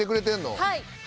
はい！